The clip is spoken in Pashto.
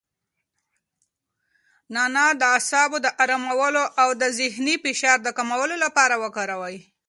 نعناع د اعصابو د ارامولو او د ذهني فشار د کمولو لپاره وکاروئ.